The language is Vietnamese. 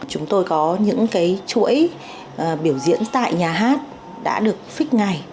chúng tôi có những chuỗi biểu diễn tại nhà hát đã được phích ngay